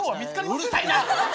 うるさいな！